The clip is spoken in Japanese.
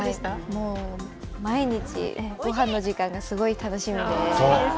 もう毎日、ごはんの時間がすごい楽しみで。